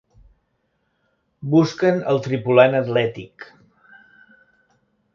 Busquen el tripulant atlètic.